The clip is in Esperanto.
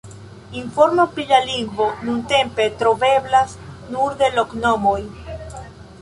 Informo pri la lingvo nuntempe troveblas nur de loknomoj.